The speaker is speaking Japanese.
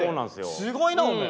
すごいなおめえ。